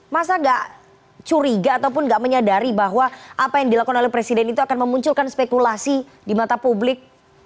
masa nggak curiga ataupun nggak menyadari bahwa apa yang dilakukan oleh presiden itu akan memunculkan spekulasi di mata publik